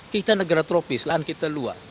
kita negara tropis lahan kita luas